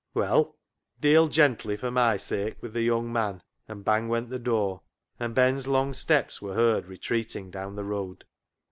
« Well ?"" Deal gently, for my sake, with the young man," and bang went the door, and Ben's long steps were heard retreating down the road.